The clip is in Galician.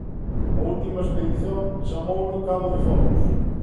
A última expedición chamouno Cabo de Fornos.